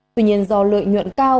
tuy nhiên do lợi nhuận cao